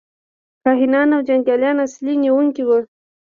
کاهنان او جنګیالي اصلي نیونکي وو.